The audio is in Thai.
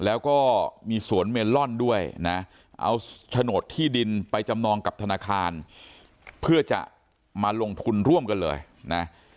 เอาโฉนดที่ดินไปจำนองกับธนาคารเพื่อจะมาลงทุนร่วมกันเลยนะ